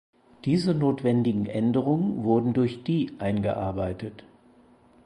Diese notwendigen Änderungen wurden durch die eingearbeitet.